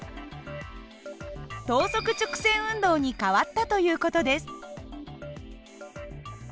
等速直線運動に変わったという事です。